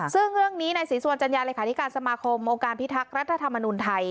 ซึ่งเรื่องนี้ในศรีสุวรรณจัญญาเลขาธิการสมาคมองค์การพิทักษ์รัฐธรรมนุนไทย